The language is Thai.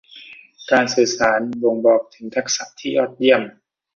การสื่อสารบ่งบอกถึงทักษะที่ยอดเยี่ยม